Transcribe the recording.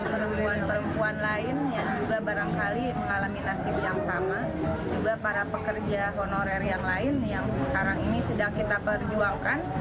perempuan perempuan lain yang juga barangkali mengalami nasib yang sama juga para pekerja honorer yang lain yang sekarang ini sedang kita perjuangkan